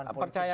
saya sih percaya